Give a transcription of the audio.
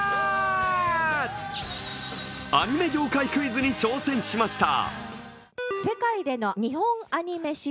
アニメ業界クイズに挑戦しました。